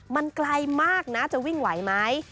มันไกลมากนะจะวิ่งไหวไหม